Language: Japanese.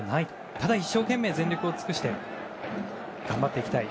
ただ一生懸命全力を尽くして頑張っていきたい。